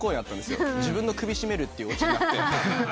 自分の首絞めるっていうオチになって。